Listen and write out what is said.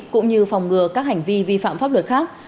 cũng như phòng ngừa các hành vi vi phạm pháp luật khác